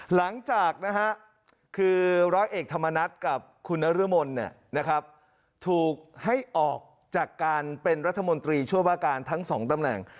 หลังจากคือร้อยเอกธรรมนัฐกับคุณนรมนถูกให้ออกจากการเป็นรัฐมนตรีช่วยว่าการทั้งสองตำแหน่ง